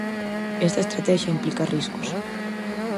Esta estratexia implica riscos.